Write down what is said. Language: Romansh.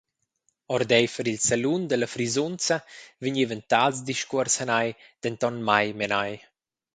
Ordeifer il salun dalla frisunza vegnevan tals discuors hanai denton mai menai.